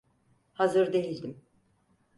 Hazır değildim.